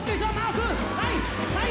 はい！